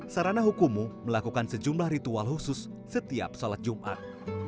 sarana hukumu melakukan sejumlah ritual khusus setiap sholat jumat